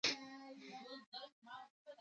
د ایران سیاست پیچلی دی.